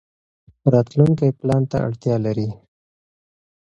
راتلونکی پلان ته اړتیا لري.